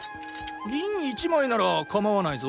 銀１枚なら構わないぞ。